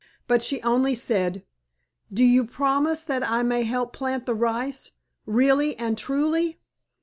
But she only said, "Do you promise that I may help plant the rice, really and truly?"